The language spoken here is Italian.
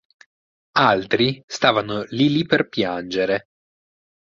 Altri stavano lì lì per piangere.